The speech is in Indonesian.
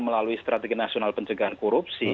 melalui strategi nasional pencegahan korupsi